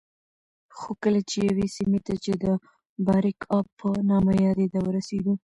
خو کله چې یوې سیمې ته چې د باریکآب په نامه یادېده ورسېدو